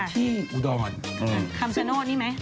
ที่อุดอลคำชโน่นนี่ไหม